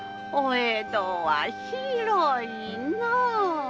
江戸は広いのう。